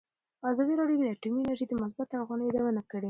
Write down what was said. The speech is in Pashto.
ازادي راډیو د اټومي انرژي د مثبتو اړخونو یادونه کړې.